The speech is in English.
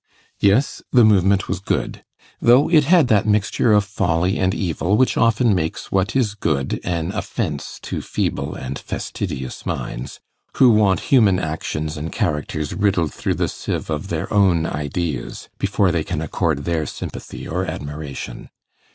Yes, the movement was good, though it had that mixture of folly and evil which often makes what is good an offence to feeble and fastidious minds, who want human actions and characters riddled through the sieve of their own ideas, before they can accord their sympathy or admiration.